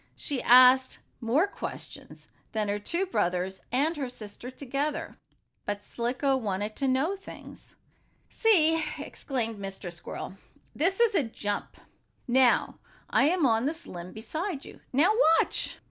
She asked more questions than her two brothers and her sister together. But Slicko wanted to know about things. "See!" exclaimed Mr. Squirrel. "This is a jump. Now I am on this limb beside you. Now watch!"